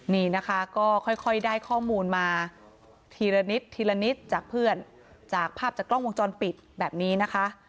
นี่นะคะก็ค่อยได้ข้อมูลมาทีละนิดทีละนิดจากเพื่อนจากภาพจากกล้องวงจรปิดแบบนี้นะคะ